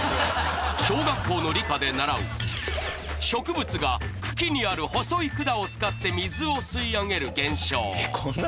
小学校の理科で習う植物が茎にある細い管を使って水を吸い上げる現象！